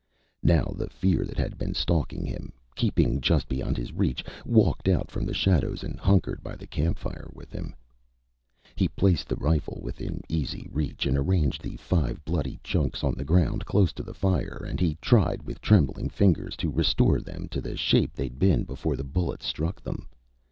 Now the fear that had been stalking him, keeping just beyond his reach, walked out from the shadows and hunkered by the campfire with him. He placed the rifle within easy reach and arranged the five bloody chunks on the ground close to the fire and he tried with trembling fingers to restore them to the shape they'd been before the bullets struck them.